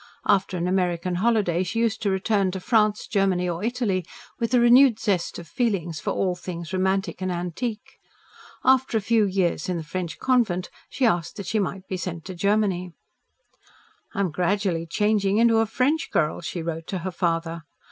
After an American holiday she used to return to France, Germany, or Italy, with a renewed zest of feeling for all things romantic and antique. After a few years in the French convent she asked that she might be sent to Germany. "I am gradually changing into a French girl," she wrote to her father.